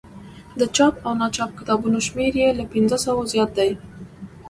د چاپ او ناچاپ کتابونو شمېر یې له پنځوسو زیات دی.